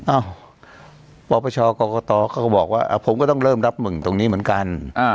เอ้าพปกกตก็บอกว่าผมก็ต้องเริ่มรับเชื่อมึงตรงนี้เหมือนกัน